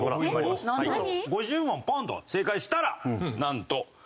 ５０問ポンッと正解したらなんと。